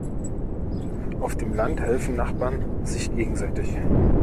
Auf dem Land helfen Nachbarn sich gegenseitig.